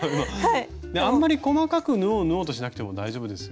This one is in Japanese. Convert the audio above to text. あんまり細かく縫おう縫おうとしなくても大丈夫ですよ。